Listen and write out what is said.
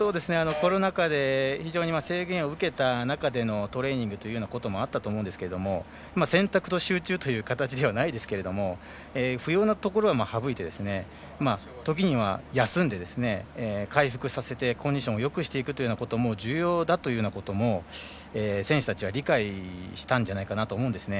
コロナ禍で非常に制限を受けたトレーニングということもあったと思うんですけど選択と集中というわけではないですけれども不要なところは省いてときには休んで回復させてコンディションをよくしていくというのも重要だということも選手たちは理解したんじゃないかなと思うんですね。